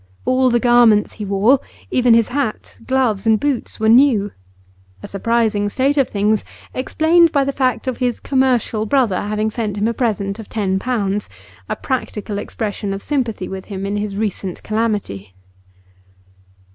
All the garments he wore, even his hat, gloves, and boots, were new; a surprising state of things, explained by the fact of his commercial brother having sent him a present of ten pounds, a practical expression of sympathy with him in his recent calamity.